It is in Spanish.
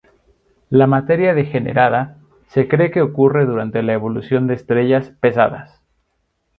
La materia degenerada se cree que ocurre durante la evolución de estrellas pesadas.